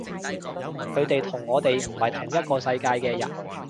佢哋同我哋唔係同一個世界嘅人